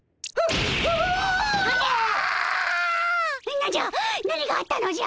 何じゃ何があったのじゃ。